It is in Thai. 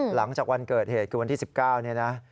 หลังจากวันเกิดเหตุคือวันที่๑๙เนี่ยนะ